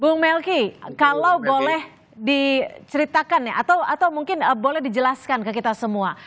bung melki kalau boleh diceritakan ya atau mungkin boleh dijelaskan ke kita semua